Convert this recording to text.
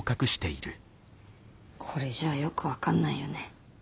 これじゃあよく分かんないよね。